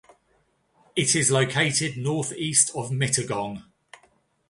It is located north-east of Mittagong.